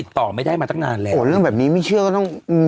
ก็ไม่รู้เรื่อง